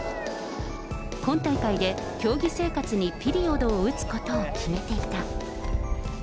今大会で競技生活にピリオドを打つことを決めていた。